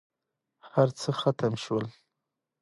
هرڅه ختم شول.